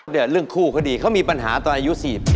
เรื่องคู่เขาดีเขามีปัญหาตอนอายุ๔๐